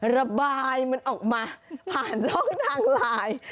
ระบายมันออกมาผ่านช่องทางไลน์